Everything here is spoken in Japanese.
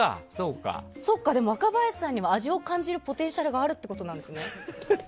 そっか、でも若林さんにも味を感じるポテンシャルがあるってことなんですね。